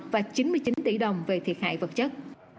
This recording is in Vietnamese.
và chín mươi chín tỷ đồng về thiệt hại vật chất